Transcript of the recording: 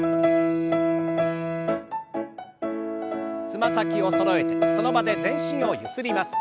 つま先をそろえてその場で全身をゆすります。